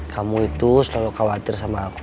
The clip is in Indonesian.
kamu itu selalu khawatir sama aku